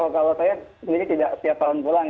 kalau saya sendiri tidak setiap tahun pulang